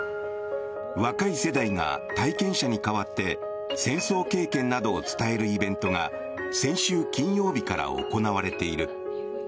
若い世代が体験者に代わって戦争経験などを伝えるイベントが先週金曜日から行われている。